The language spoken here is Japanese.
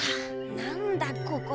なんだここ。